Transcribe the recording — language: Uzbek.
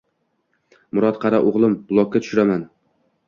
Murod, qara o‘g‘lim, blokka tushiraman